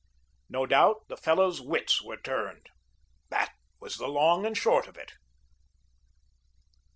No doubt, the fellow's wits were turned. That was the long and short of it.